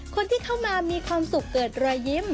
คนที่เข้ามามีความสุขเกิดรอยยิ้ม